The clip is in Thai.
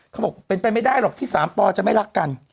เขาบอกเป็นไปไม่ได้หรอกที่สามปอจะไม่รักกัน